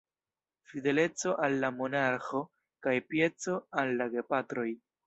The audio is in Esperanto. Fideleco al la monarĥo kaj pieco al la gepatroj.